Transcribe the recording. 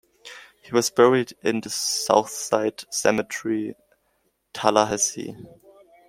He was buried in the Southside Cemetery, Tallahassee.